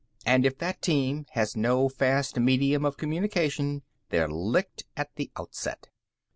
And if that team has no fast medium of communication, they're licked at the onset.